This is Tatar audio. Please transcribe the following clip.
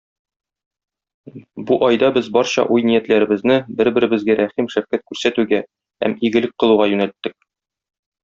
Бу айда без барча уй-ниятләребезне бер-беребезгә рәхим-шәфкать күрсәтүгә һәм игелек кылуга юнәлттек.